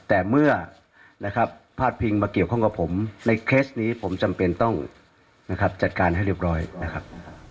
แต่เมื่อนะครับพาดพิงมาเกี่ยวข้องกับผมในเคสนี้ผมจำเป็นต้องนะครับจัดการให้เรียบร้อยนะครับ